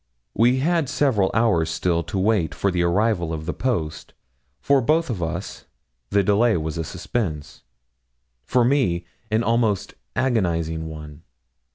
We had several hours still to wait for the arrival of the post. For both of us the delay was a suspense; for me an almost agonising one.